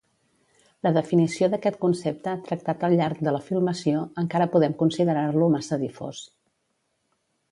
La definició d'aquest concepte, tractat al llarg de la filmació, encara podem considerar-lo massa difós.